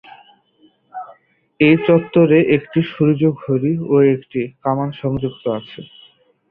এই চত্বরে একটি সূর্য-ঘড়ি ও একটি কামান সংযুক্ত আছে।